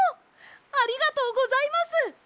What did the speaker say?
ありがとうございます！